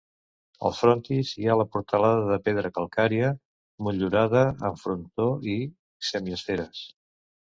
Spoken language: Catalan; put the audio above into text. Al frontis hi ha la portalada de pedra calcària, motllurada, amb frontó i semiesferes.